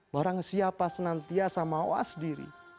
barang siapa senantiasa mawas diri